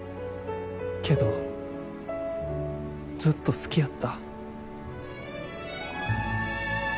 けどずっと好きやった。